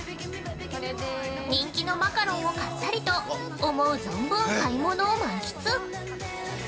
人気のマカロンを買ったりと、思う存分買い物を満喫。